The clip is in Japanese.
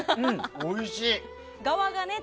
おいしい。